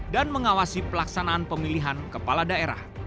dan mengawasi pelaksanaan pemilihan kepala daerah